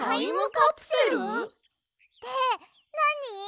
ってなに？